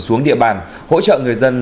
xuống địa bàn hỗ trợ người dân